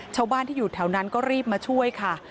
ชาวบ้านที่อยู่แถวนั้นก็รีบมาช่วยค่ะ